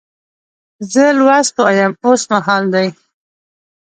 زه لوست وایم اوس مهال دی.